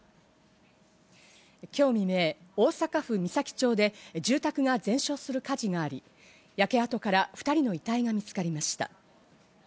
今日未明、大阪府岬町で住宅が全焼する火事があり、焼け跡から２人の遺体が見つかりました。